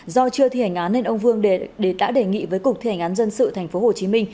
do chưa thi hành án nên ông vương đã đề nghị với cục thi hành án dân sự tp hcm